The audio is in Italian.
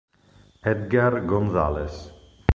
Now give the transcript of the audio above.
Edgar González